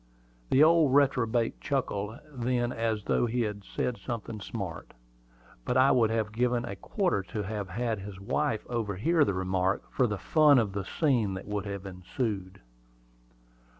The old reprobate chuckled then as though he had said something smart; but I would have given a quarter to have had his wife overhear the remark, for the fun of the scene that would have ensued.